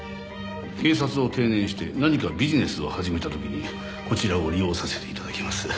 警察を定年して何かビジネスを始めた時にこちらを利用させていただきます。